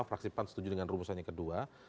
fraksi pan setuju dengan rumusan yang kedua